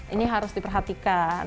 ini harus diperhatikan